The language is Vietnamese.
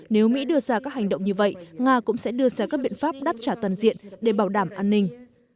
nếu mỹ đưa ra các hành động như vậy nga cũng sẽ đưa ra các biện pháp đáp trả toàn diện để bảo đảm an ninh